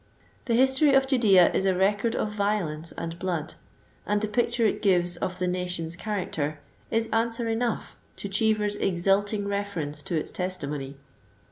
The history of Judea is a record of violence and blood, and the picture it gives of the nation*s character is answer enough to Cheever's exulting reference to its testimony.